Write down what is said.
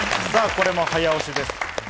これも早押しです。